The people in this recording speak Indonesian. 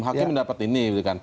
hakim mendapat ini gitu kan